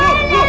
aduh aduh aduh